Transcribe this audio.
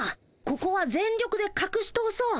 ここは全力でかくし通そう。